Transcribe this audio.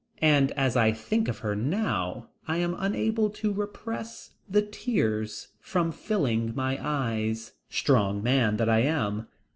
And as I think of her now I am unable to repress the tears from filling my eyes, strong man that I am.